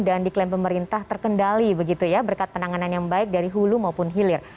dan diklaim pemerintah terkendali begitu ya berkat penanganan yang baik dari hulu maupun hilir